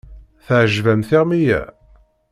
Teɛǧeb-am tiɣmi-ya?